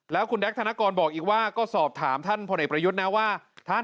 แล้วคุณแก๊กธนกรบอกอีกว่าก็สอบถามท่านพลเอกประยุทธ์นะว่า